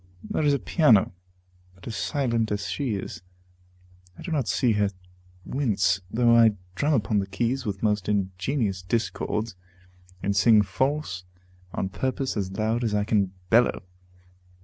There is a piano, but as silent as she is. I do not see her wince, though I drum upon the keys with most ingenious discords, and sing false on purpose as loud as I can bellow.